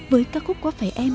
với ca khúc có phải em